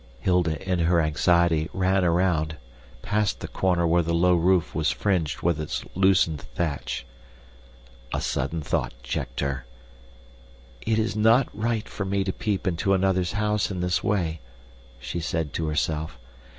Hilda, in her anxiety, ran around, past the corner where the low roof was fringed with its loosened thatch. A sudden thought checked her. "It is not right for me to peep into another's house in this way," she said to herself.